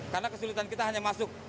karena kesulitan kita hanya masuk